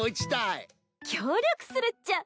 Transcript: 協力するっちゃ。